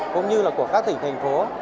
cũng như là của các thỉnh thành phố